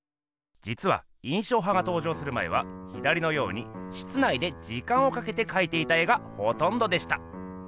じつは印象派が登場する前は左のように室内で時間をかけてかいていた絵がほとんどでした。